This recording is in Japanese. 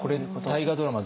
大河ドラマ